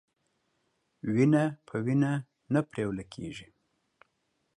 وينه په وينه نه پريوله کېږي.